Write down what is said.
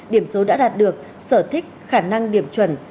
điểm số đã đạt được sở thích khả năng điểm chuẩn